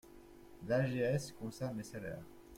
L’AGS concerne les salaires.